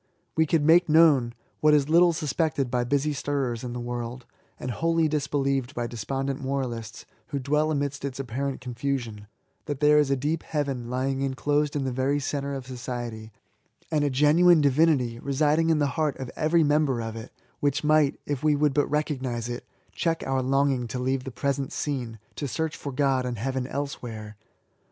We could make known — ^what is little suspected by busy stirrers in the world, and wholly disbelieved by despondent moraUsts who dwell amidst its apparent confusion — that there is a deep heaven lying inclosed in the very centre of society, and a genuine divinity residing in the heart of every member of it, which might, if we would but recognise it, check our longing to leave the present scene, to search for God and Heaven elsewhere.